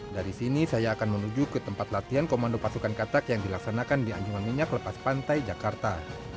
dari sini saya akan menuju ke tempat latihan komando pasukan katak yang dilaksanakan di anjungan minyak lepas pantai jakarta